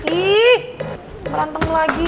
ih berantem lagi